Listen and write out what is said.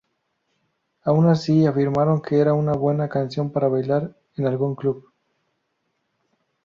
Aun así afirmaron que era una buena canción para bailar en algún club.